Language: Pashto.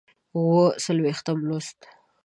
اووه څلوېښتم لوست